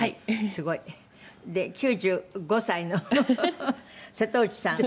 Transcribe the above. すごい。で９５歳の瀬戸内さん。